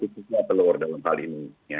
khususnya telur dalam hal ini